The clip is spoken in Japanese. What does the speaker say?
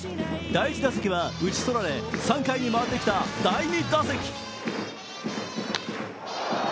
第１打席は打ち取られ、３回に回ってきた第２打席。